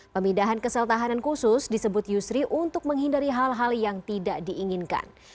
pemindahan ke sel tahanan khusus disebut yusri untuk menghindari hal hal yang tidak diinginkan